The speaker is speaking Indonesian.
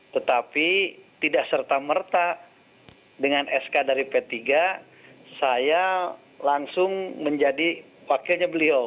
tetapi tidak serta merta dengan sk dari p tiga saya langsung menjadi wakilnya beliau